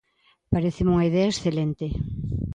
Paréceme unha idea excelente.